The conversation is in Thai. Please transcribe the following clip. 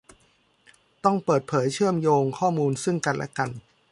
ต้องเปิดเผยเชื่อมโยงข้อมูลซึ่งกันและกัน